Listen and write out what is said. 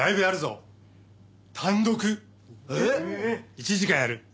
１時間やる。